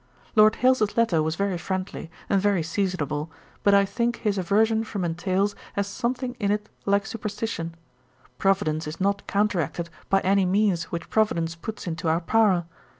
Lord Hailes's letter was very friendly, and very seasonable, but I think his aversion from entails has something in it like superstition. Providence is not counteracted by any means which Providence puts into our power.